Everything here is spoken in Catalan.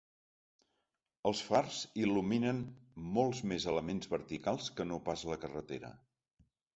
Els fars il·luminen molts més elements verticals que no pas la carretera.